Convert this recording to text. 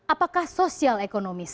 apakah sosial ekonomi